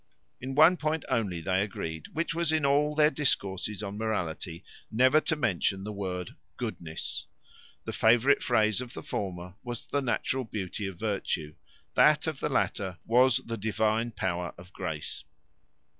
In one point only they agreed, which was, in all their discourses on morality never to mention the word goodness. The favourite phrase of the former, was the natural beauty of virtue; that of the latter, was the divine power of grace.